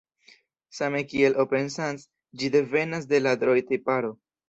Same kiel Open Sans, ĝi devenas de la Droid-tiparo.